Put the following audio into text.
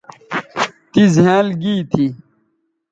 تی زھینئل گی تھی